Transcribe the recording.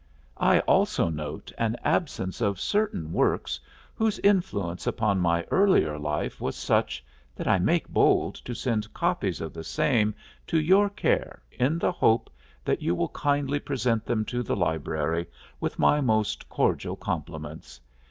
I also note an absence of certain works whose influence upon my earlier life was such that I make bold to send copies of the same to your care in the hope that you will kindly present them to the library with my most cordial compliments.